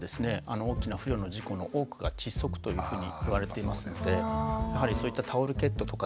大きな不慮の事故の多くが窒息というふうにいわれていますのでやはりそういったタオルケットとかですね